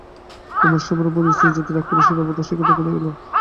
কুমারসভার উপর স্ত্রীজাতির আক্রোশের খবর রসিকদাদা কোথায় পেলে?